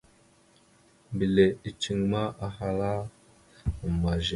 Mbile iceŋ ma, ahala: « Ama zile? ».